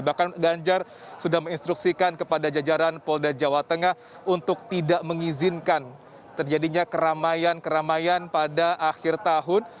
bahkan ganjar sudah menginstruksikan kepada jajaran polda jawa tengah untuk tidak mengizinkan terjadinya keramaian keramaian pada akhir tahun